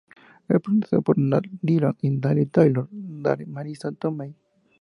Es protagonizada por Matt Dillon, Lili Taylor y Marisa Tomei.